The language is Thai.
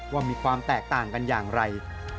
ว่ามีความแตกต่างกันอย่างไร